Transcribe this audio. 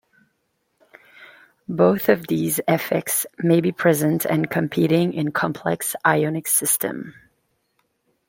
Both of these effects may be present and competing in complex ionic systems.